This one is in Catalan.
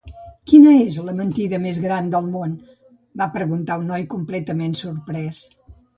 "Quina és la mentida més gran del món?", va preguntar el noi completament sorprès.